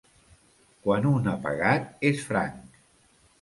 Quan un ha pagat, és franc.